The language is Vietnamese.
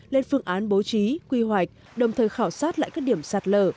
lên phương án bố trí quy hoạch đồng thời khảo sát lại các điểm sạt lở